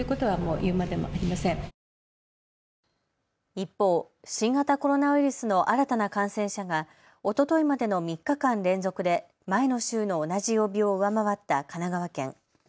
一方、新型コロナウイルスの新たな感染者がおとといまでの３日間連続で前の週の同じ曜日を上回った神奈川県。